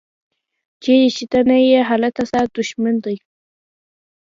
چیرې چې ته نه یې هلته ستا دوښمن دی.